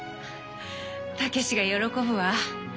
武志が喜ぶわ。